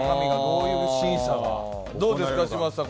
どうですか、嶋佐さん